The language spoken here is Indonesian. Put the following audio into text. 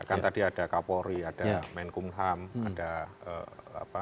kan tadi ada kapolri ada menkumham ada apa